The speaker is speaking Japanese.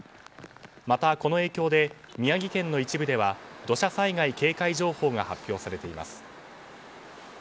またこの影響で宮城県の一部では土砂災害警戒情報が発表されています。